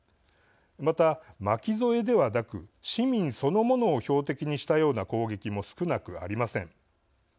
また、巻き添えではなく市民そのものを標的にしたような攻撃も少なくありません。